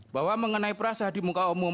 bahwa mengenai perasa di muka umum